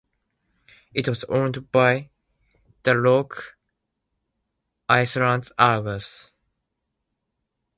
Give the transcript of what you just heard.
It was owned by the Rock Island Argus.